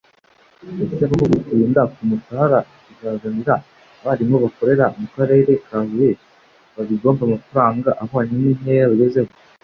Ese koko gutinda k’umushahara kuzazanira abarimu bakorera mu Karere ka Huye babigomba amafaranga ahwanye n’intera bagezeho